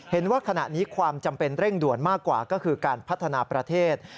เห็นว่าขณะนี้ความจำเป็นเร่งด่วนมากกว่าก็คือการพัฒนาประเทศ